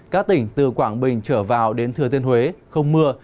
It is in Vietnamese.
các tỉnh từ quảng bình trở vào đến thừa thiên huế không mưa